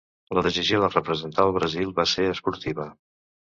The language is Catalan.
La decisió de representar el Brasil va ser esportiva.